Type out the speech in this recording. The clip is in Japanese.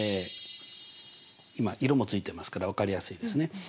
今色もついてますからわかりやすいですね。